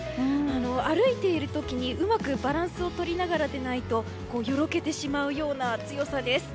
歩いている時に、うまくバランスをとりながら出ないとよろけてしまうような強さです。